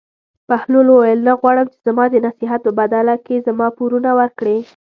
بهلول وویل: نه غواړم چې زما د نصیحت په بدله کې زما پورونه ورکړې.